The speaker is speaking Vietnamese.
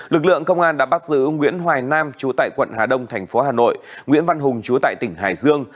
lực lượng công an đã bắt giữ nguyễn hoài nam chú tại quận hà đông thành phố hà nội nguyễn văn hùng chú tại tỉnh hải dương